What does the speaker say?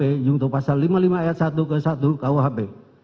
jungto pasal lima puluh lima ayat satu ke satu kuhp